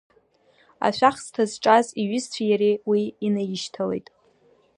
Ашәахсҭа зҿаз иҩызцәеи иареи уи инаишьҭалеит.